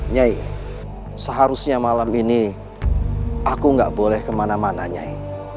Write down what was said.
nyai seharusnya malam ini aku nggak boleh kemana mana nyai